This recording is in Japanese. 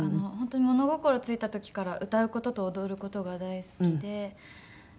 本当に物心ついた時から歌う事と踊る事が大好きで。